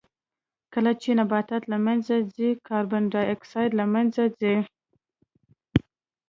کله چې نباتات له منځه ځي کاربن ډای اکسایډ له منځه ځي.